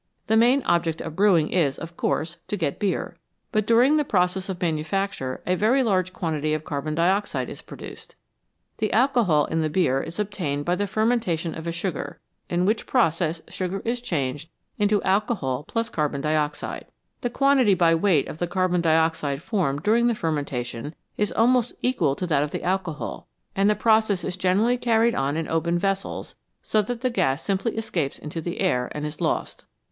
The main object of brewing is, of course, to get beer, but during the process of manufacture a very large quantity of carbon dioxide is produced. The alcohol in the beer is obtained by the fermentation of sugar, in which process sugar is changed into alcohol + carbon dioxide. The quantity by weight of the carbon dioxide formed during the fermentation is almost equal to that of the alcohol, and the process is generally carried on in open vessels, so that the gas simply escapes into the air, and is lost.